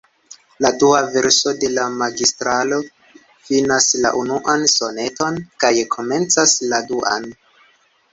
La dua verso de la Magistralo finas la unuan soneton kaj komencas la duan.